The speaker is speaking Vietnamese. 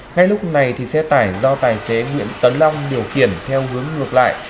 ngay lúc này xe tải do tài xế nguyễn tấn long điều khiển theo hướng ngược lại